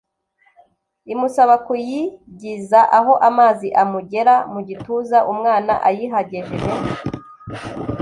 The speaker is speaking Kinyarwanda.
imusaba kuyigiza aho amazi amugera mu gituza. umwana ayihagejeje